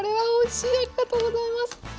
ありがとうございます！